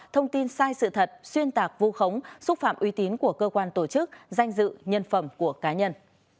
thông tin sai sự thật xuyên tạc vu khống xúc phạm uy tín của cơ quan tổ chức danh dự nhân phẩm của cá nhân